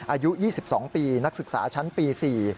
อายุ๒๒ปีนักศึกษาชั้นปี๔